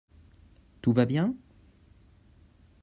Tout va bien ?